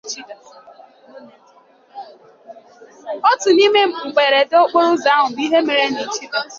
ótù n'ime mberede okporo ụzọ ahụ bụ nke mere n'Ichida